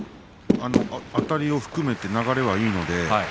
あたりを含めて流れはいいと思います。